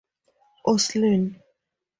Oslin.